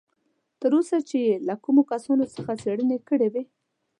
تر اوسه چې یې له کومو کسانو څخه څېړنې کړې وې.